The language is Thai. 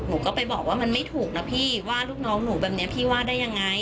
หนูก็ไปบอกว่ามันไม่ถูกนะพี่ว่าลูกน้องหนูแบบนี้พี่ว่าได้ยังไง